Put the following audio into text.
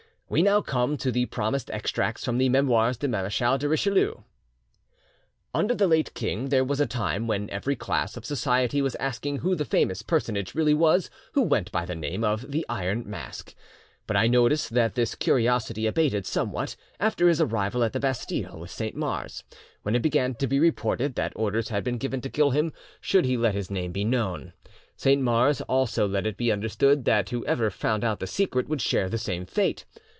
We now come to the promised extracts from the 'Memoires du Marechal de Richelieu': "Under the late king there was a time when every class of society was asking who the famous personage really was who went by the name of the Iron Mask, but I noticed that this curiosity abated somewhat after his arrival at the Bastille with Saint Mars, when it began to be reported that orders had been given to kill him should he let his name be known. Saint Mars also let it be understood that whoever found out the secret would share the same fate.